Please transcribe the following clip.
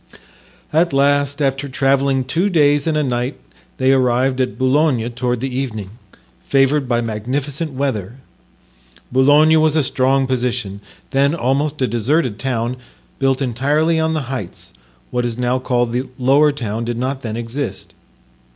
At last, after traveling two days and a night, they arrived at Boulogne toward the evening, favored by magnificent weather. Boulogne was a strong position, then almost a deserted town, built entirely on the heights; what is now called the lower town did not then exist.